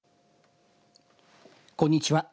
こんにちは。